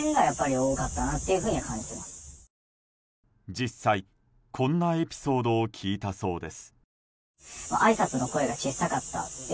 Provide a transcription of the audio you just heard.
実際、こんなエピソードを聞いたそうです。